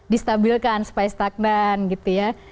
distabilkan spes takdan gitu ya